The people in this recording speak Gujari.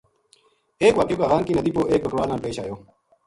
ایک واقعو کاغان کی ندی پو ایک بکروال نال پیش آیو